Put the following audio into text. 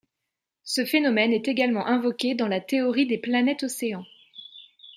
Ce phénomène est également invoqué dans la théorie des planètes océans.